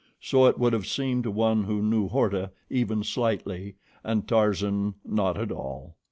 So it would have seemed to one who knew Horta even slightly and Tarzan not at all.